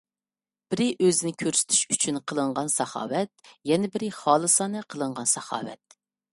بىرى، ئۆزىنى كۆرسىتىش ئۈچۈن قىلىنغان ساخاۋەت. يەنە بىرى، خالىسانە قىلىنغان ساخاۋەت.